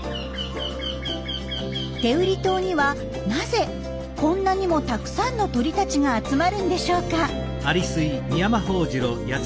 天売島にはなぜこんなにもたくさんの鳥たちが集まるんでしょうか？